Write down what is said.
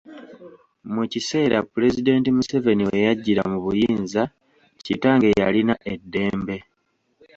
Mu kiseera Pulezidenti Museveni we yajjira mu buyinza kitange yalina eddembe